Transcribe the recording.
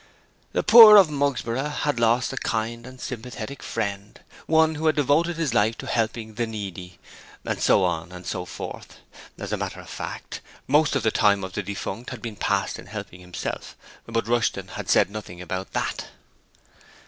'The poor of Mugsborough had lost a kind and sympathetic friend', 'One who had devoted his life to helping the needy', and so on and so forth. (As a matter of fact, most of the time of the defunct had been passed in helping himself, but Rushton said nothing about that.)